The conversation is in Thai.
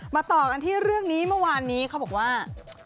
ต่อกันที่เรื่องนี้เมื่อวานนี้เขาบอกว่า